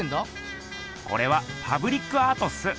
これはパブリックアートっす。